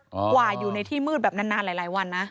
กว่าอยู่ในที่มืดแบบนานนานหลายวันนะ